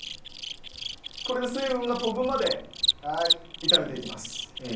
これで水分が飛ぶまで炒めていきます。